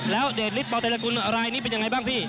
และเด็ดลิทป่อใจแหลกคุณอะไรนี่เป็นยังไงบ้างพี่